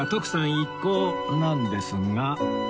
一行なんですが